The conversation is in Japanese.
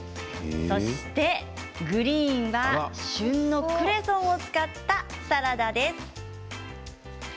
そしてグリーンは旬のクレソンを使ったサラダです。